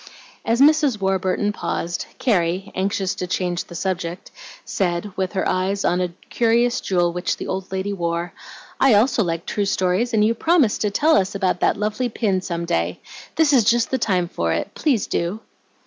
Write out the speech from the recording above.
As Mrs. Warburton paused, Carrie, anxious to change the subject, said, with her eyes on a curious jewel which the old lady wore, "I also like true stories, and you promised to tell us about that lovely pin some day. This is just the time for it, please do."